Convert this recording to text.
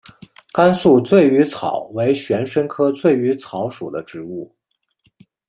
甘肃醉鱼草为玄参科醉鱼草属的植物。